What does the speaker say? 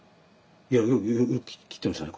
よく切ってましたね